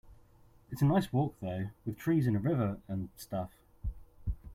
It's a nice walk though, with trees and a river and stuff.